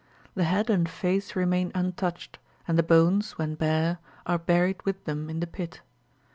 The head and face remain untouched, and the bones, when bare, are buried with them in the pit.